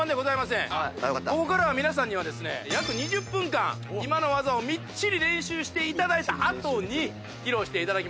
ここからは皆さんにはですね約２０分間今の技をみっちり練習していただいた後に披露していただきます。